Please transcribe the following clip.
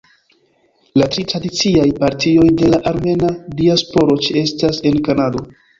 La tri tradiciaj partioj de la armena diasporo ĉeestas en Kanado.